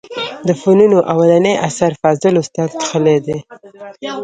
د فنونو اولنى اثر فاضل استاد کښلى دئ.